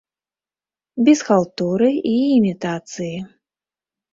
Без халтуры і імітацыі.